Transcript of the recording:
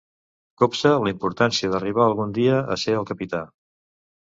Copsà la importància d'arribar algun dia a ser el capità.